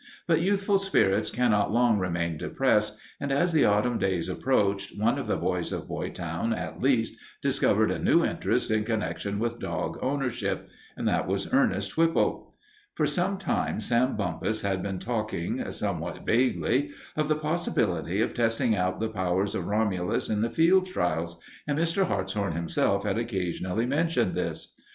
But youthful spirits cannot long remain depressed, and as the autumn days approached, one of the boys of Boytown, at least, discovered a new interest in connection with dog ownership. That was Ernest Whipple. For some time Sam Bumpus had been talking, somewhat vaguely, of the possibility of testing out the powers of Romulus in the field trials, and Mr. Hartshorn himself had occasionally mentioned this.